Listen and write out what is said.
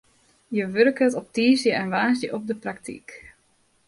Hja wurket op tiisdei en woansdei op de praktyk.